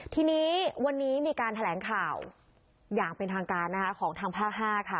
ทีนี้วันนี้มีการแถลงข่าวอย่างเป็นทางการนะคะของทางภาค๕ค่ะ